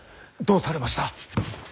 どうされました。